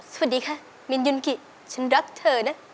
สวัสดีค่ะมินยุนกิฉันรักเธอนะ